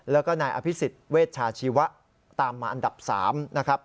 แล้วก็นายอภิษฎเวชชาชีวะตามมาอันดับ๓นะครับ